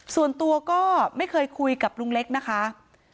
ส่วนตัวก็ไม่เคยคุยกับลุงเล็กนะคะ